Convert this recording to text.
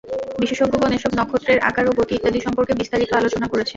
বিশেষজ্ঞগণ এসব নক্ষত্রের আকার ও গতি ইত্যাদি সম্পর্কে বিস্তারিত আলোচনা করেছেন।